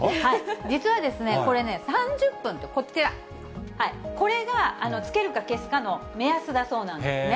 実はこれね、３０分と、こちら、これがつけるか消すかの目安だそうなんですね。